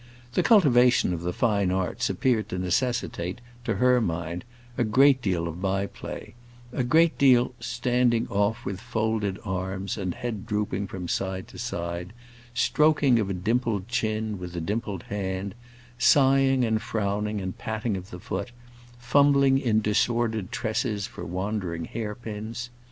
The cultivation of the fine arts appeared to necessitate, to her mind, a great deal of by play, a great standing off with folded arms and head drooping from side to side, stroking of a dimpled chin with a dimpled hand, sighing and frowning and patting of the foot, fumbling in disordered tresses for wandering hair pins.